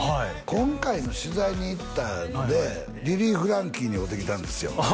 今回の取材に行ったんでリリー・フランキーに会うてきたんですよああ